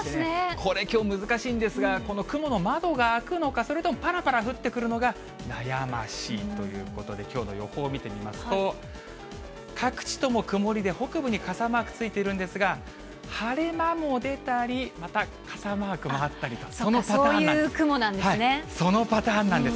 これ、きょう難しいんですが、この雲の窓が開くのか、それともぱらぱら降ってくるのが悩ましいということで、きょうの予報を見てみますと、各地とも曇りで北部に傘マークついてるんですが、晴れ間も出たり、また傘マークもあったりと、そのパターンなんです。